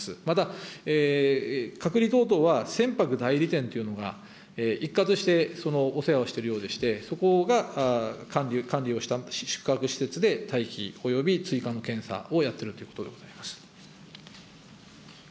ただ隔離等々は、船舶代理店というのが一括してそのお世話をしているようでして、そこが管理をした宿泊施設で、待機および追加の検査をやっているということでございます。